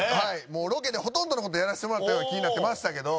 もうロケでほとんどの事やらせてもらったような気になってましたけど。